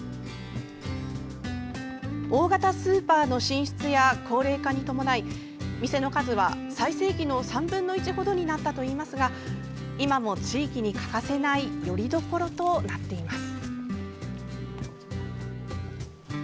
大型スーパーの進出や高齢化に伴い店の数は最盛期の３分の１程になったといいますが今も地域に欠かせないよりどころとなっています。